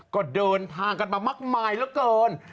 ก็เดินทางกันมามากมายเหลือเกิน